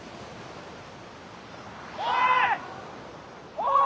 ・おい！